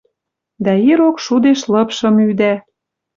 Дӓ ирок шудеш лыпшым ӱдӓ.